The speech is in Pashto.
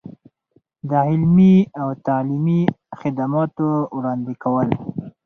د علمي او تعلیمي خدماتو وړاندې کول.